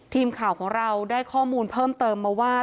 ทีมข่าวของเราได้ข้อมูลเพิ่มเติมมาว่า